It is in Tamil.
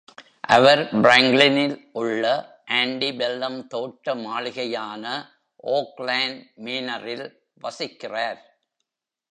அவர் பிராங்க்ளினில் உள்ள ஆண்டிபெல்லம் தோட்ட மாளிகையான, ஓக்லான் மேனரில் வசிக்கிறார்.